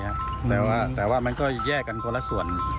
ใช่ครับแต่ว่ามันก็แยกกันคนละส่วน